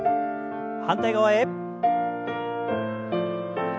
反対側へ。